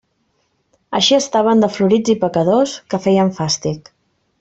Així estaven de florits i pecadors, que feien fàstic.